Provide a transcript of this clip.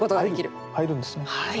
入るんですね。